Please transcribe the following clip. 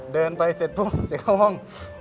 เดินไปเสร็จปุ๊บจะเข้าห้อง